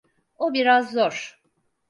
O biraz zor.